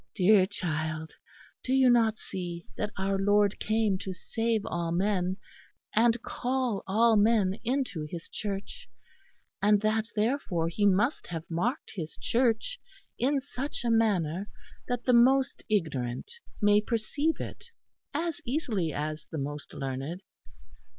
Dear child, do you not see that our Lord came to save all men, and call all men into His Church; and that therefore He must have marked His Church in such a manner that the most ignorant may perceive it as easily as the most learned?